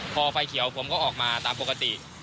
พอไฟเขียวผมก็ออกมาตามปกติ